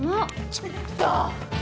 ちょっと！